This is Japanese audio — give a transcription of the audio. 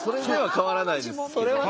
変わらないですか。